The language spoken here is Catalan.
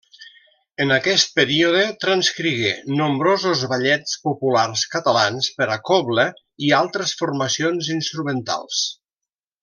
En aquest període transcrigué nombrosos ballets populars catalans per a cobla i altres formacions instrumentals.